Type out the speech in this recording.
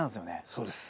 そうです。